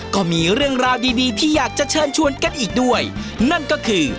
ก็มีเรื่องราวดีดีที่อยากจะเชิญชวนกันอีกด้วยนั่นก็คือ